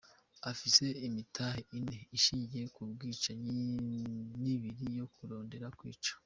Afise imitahe ine ishingiye ku bwicanyi n'ibiri yo kurondera kwica.